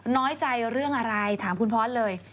น้อยใจเรื่องอะไรถามคุณพอร์ตเลย